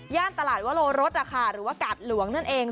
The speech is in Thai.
ตลาดวโลรสหรือว่ากาดหลวงนั่นเอง